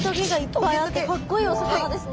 かっこいいお魚ですね。